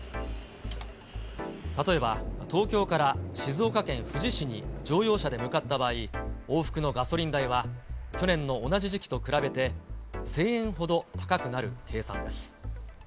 例えば、東京から静岡県富士市に乗用車で向かった場合、往復のガソリン代は去年と同じ時期と比べて、１０００円ほど高くなる計算です。